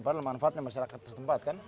padahal manfaatnya masyarakat setempat kan